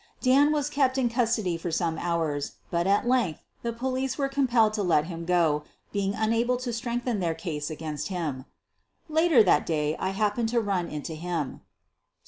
Dan was kept in custody for some hours, but at length the police were compelled to let him go, be ing unable to strengthen their case against him. Later that day I happened to run into him.